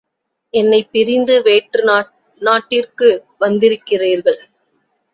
என்னைப் பிரிந்து வேற்று நாட்டிற்கு வந்திருக்கிறீர்கள்.